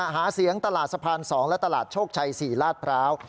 หาเสียงตลาดสะพาน๒และตลาดโชคชัย๔ลาดพร้าว